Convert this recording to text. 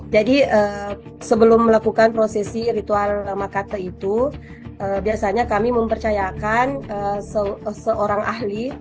sebelum melakukan prosesi ritual makate itu biasanya kami mempercayakan seorang ahli